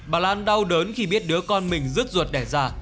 bà lan đau đớn khi biết đứa con mình rước ruột đẻ già